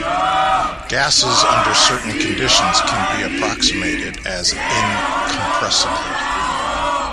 Gases under certain conditions can be approximated as incompressible.